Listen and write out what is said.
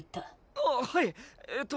あっはいえっと